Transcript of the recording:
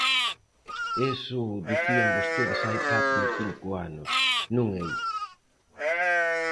Iso dicían vostedes hai catro ou cinco anos, non eu.